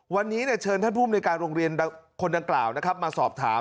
วันนี้เชิญท่านภูมิในการโรงเรียนคนดังกล่าวนะครับมาสอบถาม